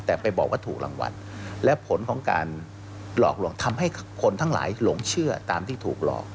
แต่ไปบอกว่าถูกรางวัลและผลของการหลอกลวงทำให้คนทั้งหลายหลงเชื่อตามที่ถูกหลอก